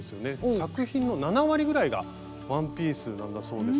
作品の７割ぐらいがワンピースなんだそうですが。